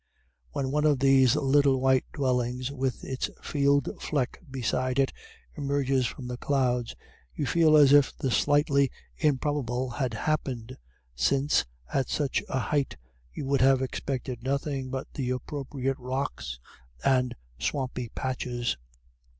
When one of these little white dwellings, with its field fleck beside it, emerges from the clouds, you feel as if the slightly improbable had happened, since at such a height you would have expected nothing but the appropriate rocks and swampy patches.